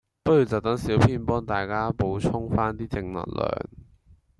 不如就等小編幫大家補充返啲正能量